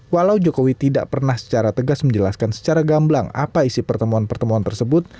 walau jokowi tidak pernah secara tegas menjelaskan secara gamblang apa isi pertemuan pertemuan tersebut